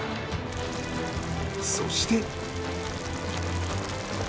そして